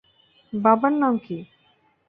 বাবার নাম কী?